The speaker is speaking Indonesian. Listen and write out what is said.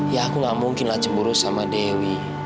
ya aku gak mungkin lah cemburu sama dewi